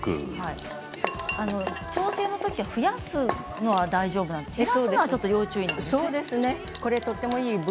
調整のときは増やすのは大丈夫なんです。